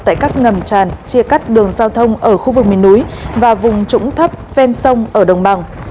tại các ngầm tràn chia cắt đường giao thông ở khu vực miền núi và vùng trũng thấp ven sông ở đồng bằng